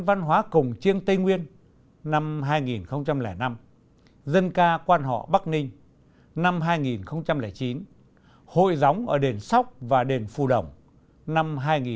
văn hóa cổng chiêng tây nguyên năm hai nghìn năm dân ca quan họ bắc ninh năm hai nghìn chín hội gióng ở đền sóc và đền phù đồng năm hai nghìn một mươi bốn